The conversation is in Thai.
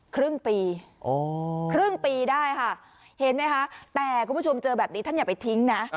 ครึ่งปีอ๋อครึ่งปีได้ค่ะเห็นไหมคะแต่คุณผู้ชมเจอแบบนี้ท่านอย่าไปทิ้งนะ